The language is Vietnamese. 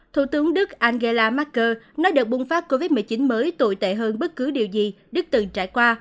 thủ tướng đức angela marker nói đợt bùng phát covid một mươi chín mới tồi tệ hơn bất cứ điều gì đức từng trải qua